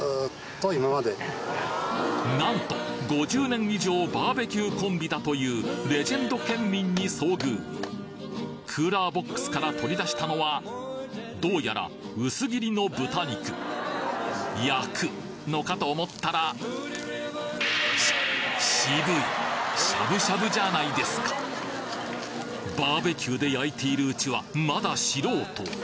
なんと５０年以上バーベキューコンビだというレジェンド県民に遭遇クーラーボックスから取り出したのはどうやら薄切りの豚肉焼くのかと思ったらし渋いしゃぶしゃぶじゃないですかバーベキューで焼いているうちはまだ素人。